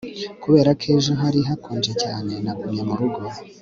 kubera ko ejo hari hakonje cyane, nagumye murugo